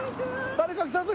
誰か来たぞ